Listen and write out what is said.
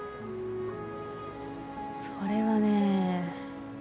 それはねえ。